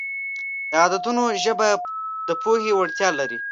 د عددونو ژبه د پوهې وړتیا لري.